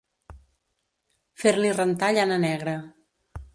Fer-li rentar llana negra.